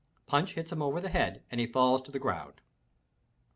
Punch hits him over the head and he falls to the ground.